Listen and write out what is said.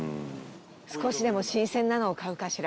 少しでも新鮮なのを買うかしら。